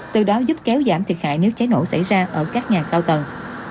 từ đó giúp kéo giảm thiệt hại nếu cháy nổ xảy ra ở các nhà cao tầng